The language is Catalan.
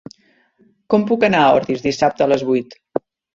Com puc anar a Ordis dissabte a les vuit?